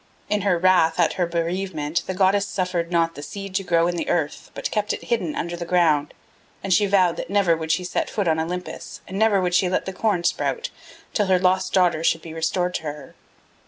In her wrath at her bereavement the goddess suffered not the seed to grow in the earth but kept it hidden under ground, and she vowed that never would she set foot on Olympus and never would she let the corn sprout till her lost daughter should be restored to her.